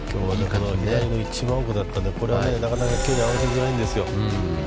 左の一番奥だったので、これはなかなか距離合わせづらいんですよ。